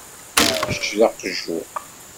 Kečč d aqjun.